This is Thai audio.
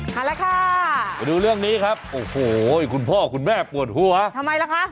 มาแล้วค่ะไปดูเรื่องนี้ครับโอ้โหคุณพ่อคุณแม่ปวดหัวทำไมล่ะคะ